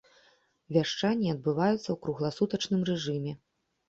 Вяшчанне адбываецца ў кругласутачным рэжыме.